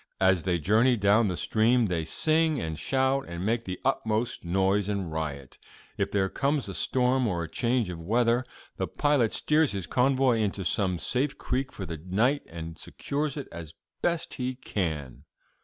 As they journey down the stream they sing and shout and make the utmost noise and riot. If there comes a storm or a change of weather, the pilot steers his convoy into some safe creek for the night, and secures it as best he can.